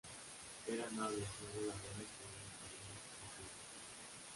Eran aves no voladoras con un esternón sin quilla.